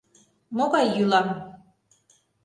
Могай йӱлам?